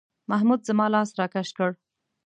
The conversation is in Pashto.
محمود زما لاس راکش کړ.